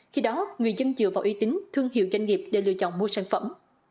khi đó người dân dựa vào uy tín thương hiệu doanh nghiệp để lựa chọn mua sản phẩm